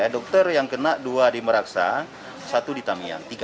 tiga dokter yang kena dua di meraksa satu di tamiang tiga